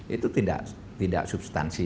itu tidak substansi